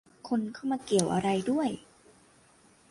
คนเข้ามาเกี่ยวอะไรด้วย